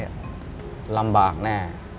แล้วพออีกคนนึงพยายามจะขึ้นไปหาอากาศที่ดีกว่า